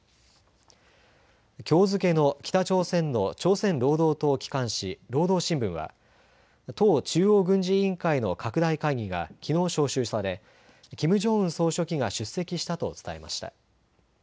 きょう付けの北朝鮮の朝鮮労働党機関紙、労働新聞は党中央軍事委員会の拡大会議がきのう招集されキム・ジョンウン総書記が出席したと伝えました。